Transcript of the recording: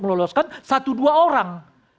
meloloskan satu dua orang